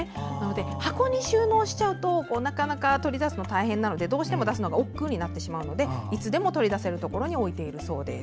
箱に収納しちゃうと取り出すのが大変なのでどうしても出すのがおっくうになってしまうのでいつでも取り出せるところに置いているそうです。